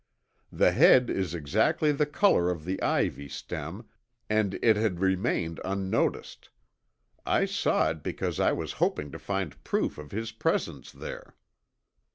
The head is exactly the color of the ivy stem and it had remained unnoticed. I saw it because I was hoping to find proof of his presence there."